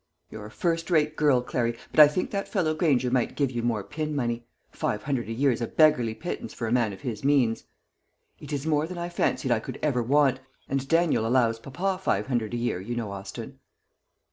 "You're a first rate girl, Clary, but I think that fellow Granger might give you more pin money. Five hundred a year is a beggarly pittance for a man of his means." "It is more than I fancied I could ever want; and Daniel allows papa five hundred a year, you know Austin."